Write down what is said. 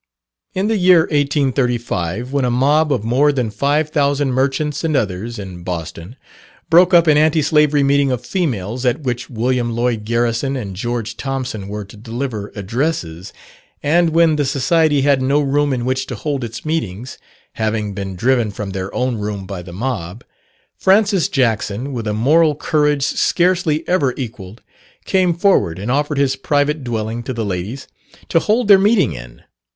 In the year 1835, when a mob of more than 5000 merchants and others, in Boston, broke up an anti slavery meeting of females, at which William Lloyd Garrison and George Thompson were to deliver addresses, and when the Society had no room in which to hold its meetings (having been driven from their own room by the mob), Francis Jackson, with a moral courage scarcely ever equalled, came forward and offered his private dwelling to the ladies, to hold their meeting in.